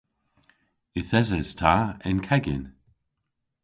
Yth eses ta y'n kegin.